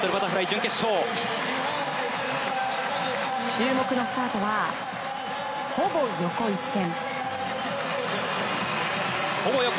注目のスタートはほぼ横一線。